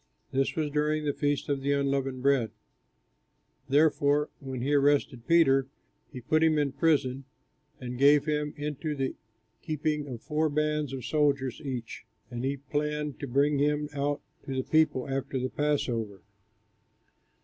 This was during the feast of the unleavened bread. Therefore when he arrested Peter, he put him in prison, and gave him into the keeping of four bands of four soldiers each. And he planned to bring him out to the people after the Passover.